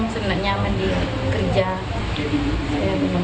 saya tidak sampai percaya